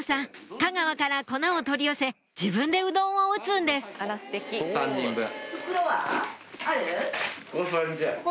香川から粉を取り寄せ自分でうどんを打つんです３人分。